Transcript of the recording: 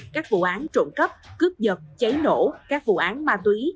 các vụ án trộn cấp cướp dập cháy nổ các vụ án ma túy